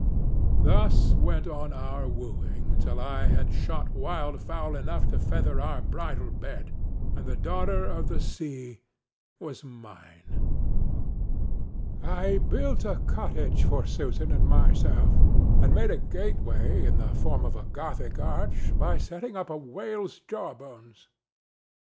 Thus went on our wooing, till I had shot wild fowl enough to feather our bridal bed, and the daughter of the sea was mine. I built a cottage for Susan and myself, and made a gateway in the form of a Gothic arch by setting up a whale's jaw bones.